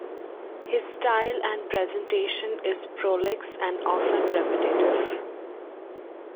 His style and presentation is prolix and often repetitive.